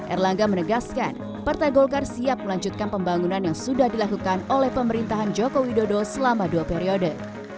erlangga menegaskan partai golkar siap melanjutkan pembangunan yang sudah dilakukan oleh pemerintahan joko widodo selama dua periode